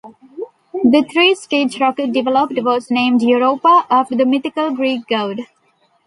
The three-stage rocket developed was named Europa, after the mythical Greek god.